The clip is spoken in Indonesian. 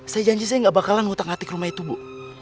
saya janji saya gak bakalan hutang hati ke rumah itu bu